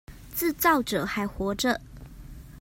自造者還活著